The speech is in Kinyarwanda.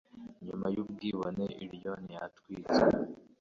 nyuma yubwibone Ilïón yatwitswe